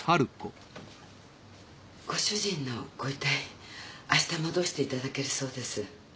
ご主人のご遺体明日戻していただけるそうです。